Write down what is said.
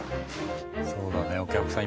そうだねお客さん